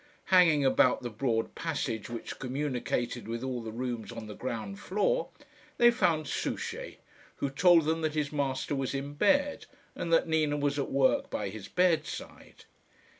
Hanging about the broad passage which communicated with all the rooms on the ground floor, they found Souchey, who told them that his master was in bed, and that Nina was at work by his bedside.